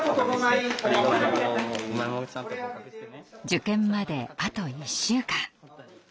受験まであと１週間。